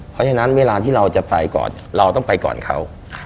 เพราะฉะนั้นเวลาที่เราจะไปก่อนเราต้องไปก่อนเขา